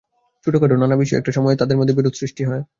ছোটখাটো নানা বিষয় নিয়ে একটা সময়ে তাঁদের মধ্যে বিরোধ সৃষ্টি হয়।